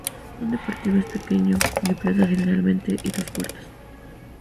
Un deportivo es pequeño, biplaza generalmente y dos puertas.